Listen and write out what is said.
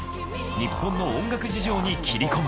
日本の音楽事情に切り込む。